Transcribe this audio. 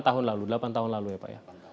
tahun lalu delapan tahun lalu ya pak ya